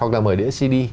hoặc là mở đĩa cd